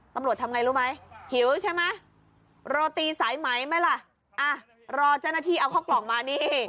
ตำรวจทำไงรู้ไหมหิวใช่ไหมโรตีสายไหมไหมล่ะอ่ะรอเจ้าหน้าที่เอาเข้ากล่องมานี่